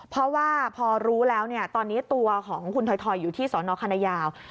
เพราะว่าพอรู้แล้วตอนนี้ตัวของคุณถอยอยู่ที่สนคณะยาว